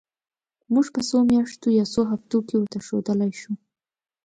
موږ په څو میاشتو یا څو هفتو کې ورته ښودلای شو.